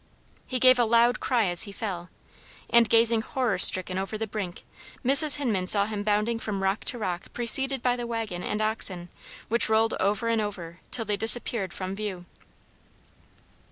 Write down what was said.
He gave a loud cry as he fell, and gazing horror stricken over the brink Mrs. Hinman saw him bounding from rock to rock preceded by the wagon and oxen which rolled over and over till they disappeared from view.